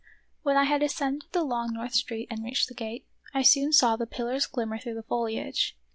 When I had ascended the long North Street and reached the gate, I soon saw the pillars glimmer through the foliage.